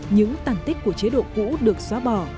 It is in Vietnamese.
những tàn tích của chế độ cũ được xóa bỏ